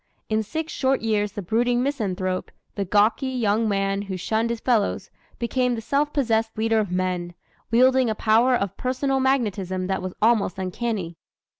In six short years the brooding misanthrope, the gawky young man who shunned his fellows, became the self possessed leader of men, wielding a power of personal magnetism that was almost uncanny.